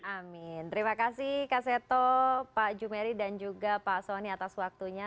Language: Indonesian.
amin terima kasih kak seto pak jumeri dan juga pak soni atas waktunya